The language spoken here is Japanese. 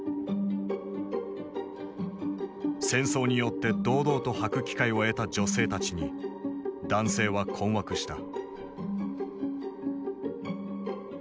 戦争によって堂々とはく機会を得た女性たちに男性は困惑した。